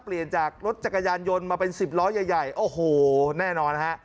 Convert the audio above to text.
เปลี่ยนจากรถจักรยานยนต์มาเป็นสิบล้อใหญ่ใหญ่โอ้โหแน่นอนฮะ